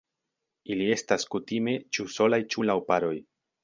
Ili estas kutime ĉu solaj ĉu laŭ paroj.